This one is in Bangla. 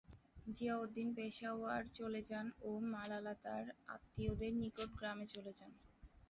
জিয়াউদ্দিন পেশাওয়ার চলে যান ও মালালা তার আত্মীয়দের নিকট গ্রামে চলে যান।